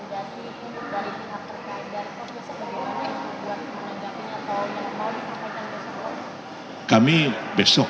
sebelumnya teman teman di jerman pun mau menikmati untuk membunuh dan patologi